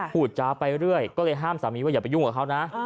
พูดจาไปเรื่อยก็เลยห้ามสามีว่าอย่าไปยุ่งกับเขานะ